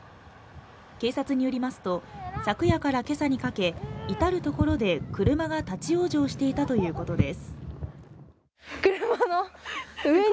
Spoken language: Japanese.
警察によりますと昨夜から今朝にかけ至る所で車が立ち往生していたということです